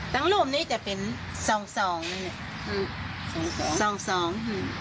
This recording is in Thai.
ตรงรูปนี้จะเป็นสองสองสองสอง